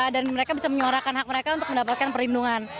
dan mereka bisa menyuarakan hak mereka untuk mendapatkan perlindungan